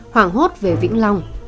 hoảng hốt về vĩnh long